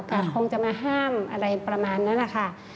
กาดคงจะมาห้ามอะไรประมาณนั้นนะคะ